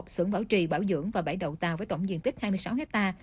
sưởng bảo trì bảo dưỡng và bẫy đậu tàu với tổng diện tích hai mươi sáu ha